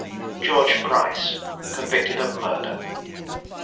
GEORGE PRICE. CONVICTED OF MURDER.